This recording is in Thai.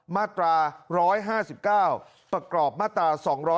มาตรา๑๕๙ประกอบมาตรา๒๗